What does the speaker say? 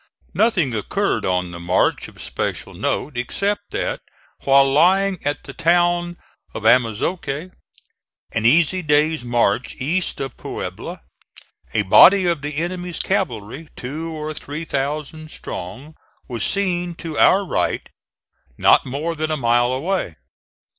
Nothing occurred on the march of special note, except that while lying at the town of Amozoque an easy day's march east of Puebla a body of the enemy's cavalry, two or three thousand strong, was seen to our right, not more than a mile away.